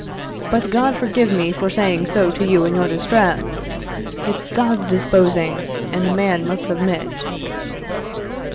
But God forgive me for saying so to you in your distress! It's God's disposing, and man must submit."